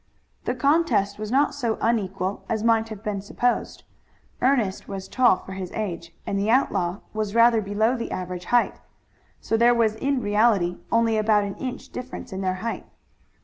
The contest was not so unequal as might have been supposed. Ernest was tall for his age, and the outlaw was rather below the average height. So there was in reality only about an inch difference in their height.